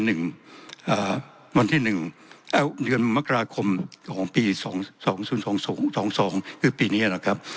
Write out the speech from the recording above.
เมื่อวันที่๑เดือนมกราคม๒๐๒๒คือปีนี้นะครับ